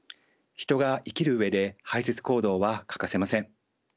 人が生きる上で排泄行動は欠かせません。